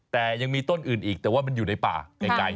แต่ยังมีต้นอื่นอีกแต่ว่ามันอยู่ในป่าไกล